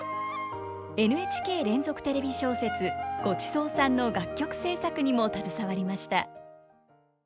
ＮＨＫ連続テレビ小説「ごちそうさん」の楽曲制作にも携わりました。